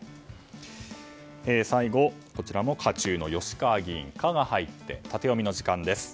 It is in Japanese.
最後、渦中の吉川議員「カ」が入ってタテヨミの時間です。